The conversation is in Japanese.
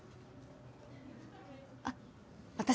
あっ私